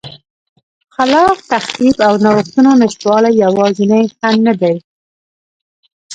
خلاق تخریب او نوښتونو نشتوالی یوازینی خنډ نه دی